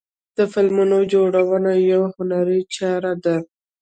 د فلمونو جوړونه یوه هنري چاره ده.